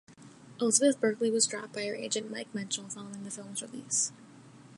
Elizabeth Berkley was dropped by her agent Mike Menchel following the film's release.